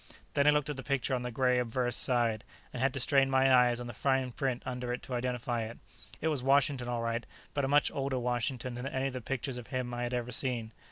Then I looked at the picture on the gray obverse side, and had to strain my eyes on the fine print under it to identify it. It was Washington, all right, but a much older Washington than any of the pictures of him I had ever seen.